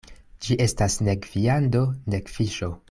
Ĝi estas nek viando, nek fiŝo.